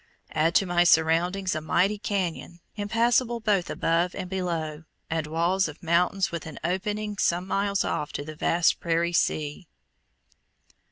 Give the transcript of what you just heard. Add to my surroundings a mighty canyon, impassable both above and below, and walls of mountains with an opening some miles off to the vast prairie sea.